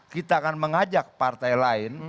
kita akan mengajak partai lain